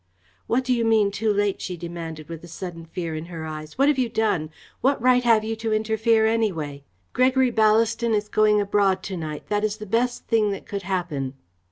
"What do you mean, too late?" she demanded, with a sudden fear in her eyes. "What have you done? What right have you to interfere, anyway? Gregory Ballaston is going abroad to night. That is the best thing that could happen."